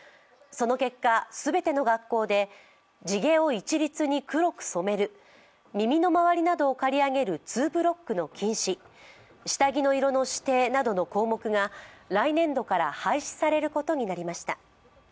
その結果、全ての学校で地毛を一律に黒く染める耳の回りなどを刈り上げるツーブロックの禁止下着の色の指定などの項目が来年度から廃止されることになりました。